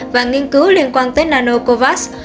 và nghiên cứu liên quan tới nanocovax